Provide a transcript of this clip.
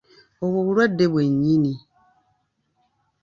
Obwo bulwadde bwe nnyini.